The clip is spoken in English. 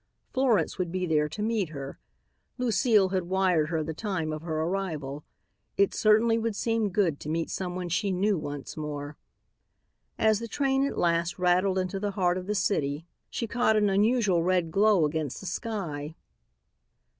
Florence would be there to meet her. Lucile had wired her the time of her arrival. It certainly would seem good to meet someone she knew once more. As the train at last rattled into the heart of the city, she caught an unusual red glow against the sky.